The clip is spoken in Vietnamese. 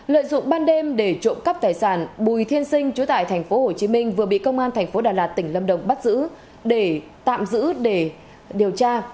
lợi dụng ban đêm để trộm cắp tài sản bùi thiên sinh trú tại thành phố hồ chí minh vừa bị công an thành phố đà lạt tỉnh lâm đồng bắt giữ để tạm giữ để điều tra